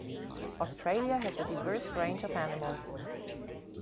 Australia has a diverse range of animals.